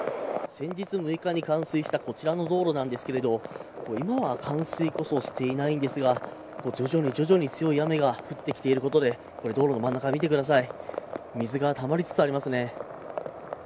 先日６日に冠水したこちらの道路なんですけど今は冠水こそしていないんですが徐々に徐々に強い雨が降っていることで道路の真ん中、見てください。